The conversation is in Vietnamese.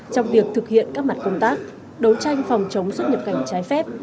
trong việc thực hiện các mặt công tác đấu tranh phòng chống xuất nhập cảnh trái phép